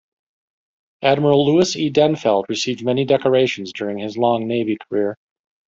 Admiral Louis E. Denfeld received many decorations during his long navy career.